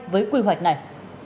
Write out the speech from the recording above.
với quy hoạch này